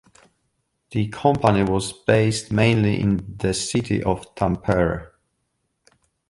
The company was based mainly in the city of Tampere.